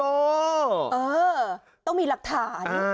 เออต้องมีหลักฐาน